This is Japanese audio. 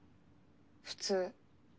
普通。